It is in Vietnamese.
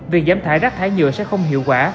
việc giảm thải rác thải nhựa sẽ không hiệu quả